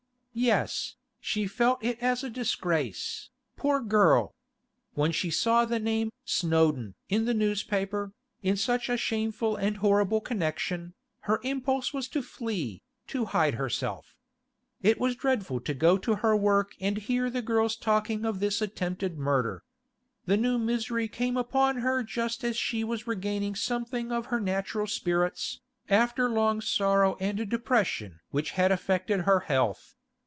Yes, she felt it as a disgrace, poor girl! When she saw the name 'Snowdon' in the newspaper, in such a shameful and horrible connection, her impulse was to flee, to hide herself. It was dreadful to go to her work and hear the girls talking of this attempted murder. The new misery came upon her just as she was regaining something of her natural spirits, after long sorrow and depression which had affected her health.